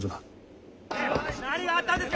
・何があったんですか！